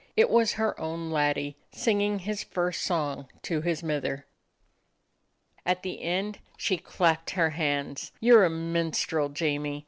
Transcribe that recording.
It was her own laddie, singing his first song to his mither. At the end she clapped her hands. "You 're a minstrel, Jamie.